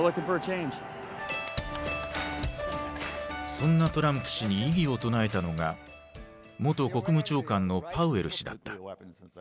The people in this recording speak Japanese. そんなトランプ氏に異議を唱えたのが元国務長官のパウエル氏だった。